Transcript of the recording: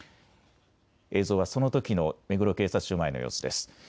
映像はそのときの目黒警察署前の様子です。